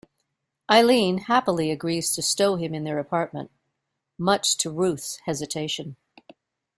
Eileen happily agrees to stow him in their apartment, much to Ruth's hesitation.